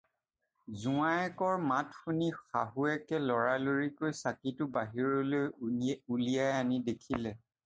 জোঁৱায়েকৰ মাত শুনি শাহুয়েকে লৰালৰিকৈ চাকিটো বাহিৰলৈ উলিয়াই আনি দেখিলে।